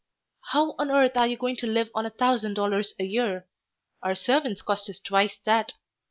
"How on earth are you going to live on a thousand dollars a year? Our servants cost us twice that.